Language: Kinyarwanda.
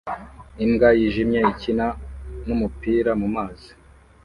Imbwa yijimye ikina numupira mumazi